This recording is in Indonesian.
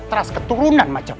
teras keturunan majapahit